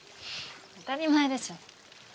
当たり前でしょ。